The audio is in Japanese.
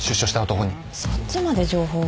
そっちまで情報が？